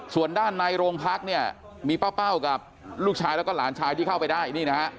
ส่วนด้านในโรงพักมีป้าเป้ากับลูกชายแล้วก็หลานชายที่เข้าไปได้